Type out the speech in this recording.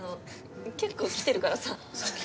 結構来てるからさ。